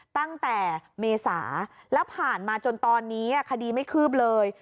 ตั้งแต่เมษาแล้วผ่านมาจนตอนนี้คดีไม่คืบเลย